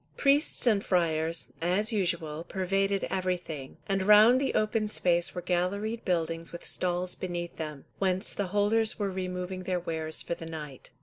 Priests and friars, as usual, pervaded everything, and round the open space were galleried buildings with stalls beneath them, whence the holders were removing their wares for the night.